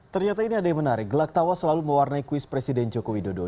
ternyata ini ada yang menarik gelak tawa selalu mewarnai kuis presiden joko widodo